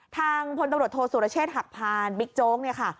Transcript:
ทางพลตำรวจโทษสุรเชษฐ์หักพานบิ๊กโจ๊กเนี่ยค่ะ